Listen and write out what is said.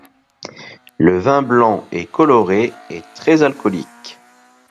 Le vin blanc est coloré et très alcoolique.